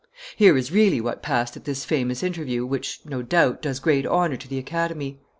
Here is really what passed at this famous interview, which, no doubt, does great honor to the Academy.